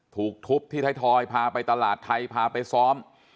ถูกทุบที่ไทยทอยพาไปตลาดไทยพาไปซ้อม